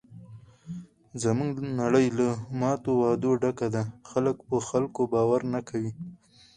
زموږ نړۍ له ماتو وعدو ډکه ده. خلک په خلکو باور نه کوي.